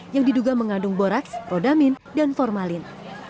yang diduga mengandung borax rhodamine dan formalin